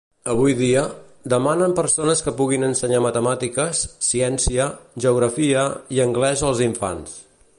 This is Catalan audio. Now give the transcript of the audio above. Avui dia, demanen persones que puguin ensenyar matemàtiques, ciència, geografia i anglès als infants.